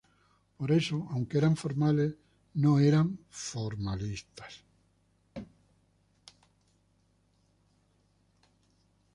Por eso aunque eran formales, no eran formalistas.